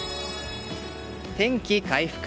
天気回復。